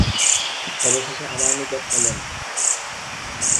অবশেষে আমার নিকট এলেন।